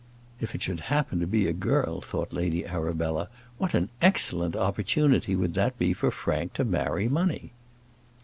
If it should happen to be a girl, thought Lady Arabella, what an excellent opportunity would that be for Frank to marry money!